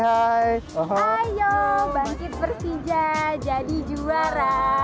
ayo bangkit persija jadi juara